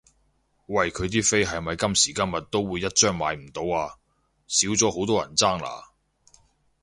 喂佢啲飛係咪今時今日都會一張買唔到啊？少咗好多人爭啦？